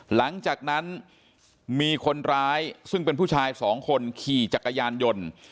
หลังจากนั้นมีคนร้ายซึ่งเป็นผู้ชายสองคนขี่จักรยานยนต์